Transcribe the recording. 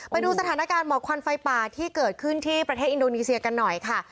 ไปดูสถานการณ์หมอกควันไฟป่าที่เกิดขึ้นที่ประเทศอินโดนีเซียกันหน่อยค่ะ